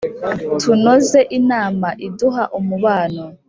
tunoze inama iduha umubano